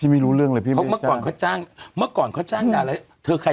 เมื่อจนเขาจ้างเราเล่นอย่างนั้น